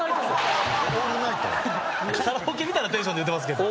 カラオケみたいなテンションで言うてますけど。